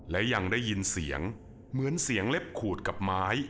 และยังได้ยินเสียงเหมือนเสียงเล็บขูดกับไม้